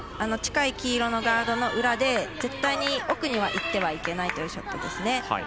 近い黄色のガードの裏で絶対に奥にはいってはいけないショットですね。